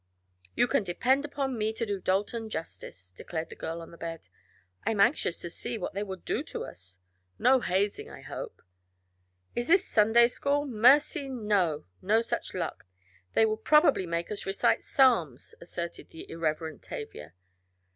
"You can depend upon me to do Dalton justice," declared the girl on the bed. "I'm anxious to see what they will do to us. No hazing, I hope." "In this Sunday school? Mercy no! No such luck. They will probably make us recite psalms," asserted the irreverent Tavia.